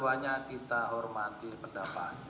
karena kita tidak bisa memiliki hal yang lain